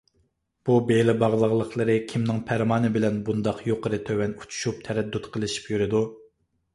بۇ بېلى باغلاقلىقلىرى كىمنىڭ پەرمانى بىلەن بۇنداق يۇقىرى - تۆۋەن ئۇچۇشۇپ تەرەددۇت قىلىشىپ يۈرىدۇ؟